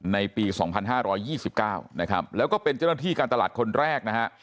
ในปี๒๕๒๙นะครับแล้วก็เป็นเจ้าหน้าที่การตลาดคนแรกนะฮะ